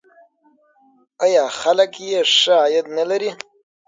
آیا خلک یې ښه عاید نلري؟